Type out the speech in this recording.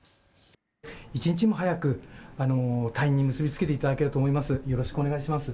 一日も早く退院に結び付けていただけたらと思います。